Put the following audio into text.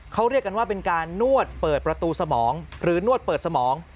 เขาเรียกกันว่าเป็นการนวดเปิดประตูสมองหรือนวดเปิดสมอง